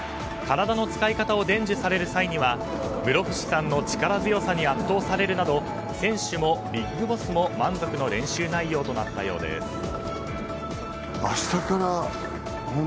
体の使い方を伝授される際には室伏さんの力強さに圧倒されるなど選手もビッグボスも満足の練習内容となったようです。